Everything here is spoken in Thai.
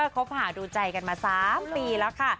คบหาดูใจกันมา๓ปีแล้วค่ะ